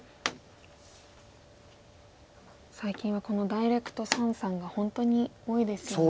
最近はこのダイレクト三々が本当に多いですよね。